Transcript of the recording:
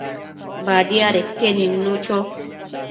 Badiadeque nidnu cho